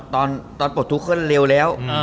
ตอนปลดทุกเคิลเร็วแล้ว